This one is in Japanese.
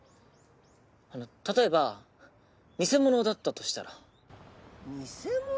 あの例えば偽者だったとしたら偽者？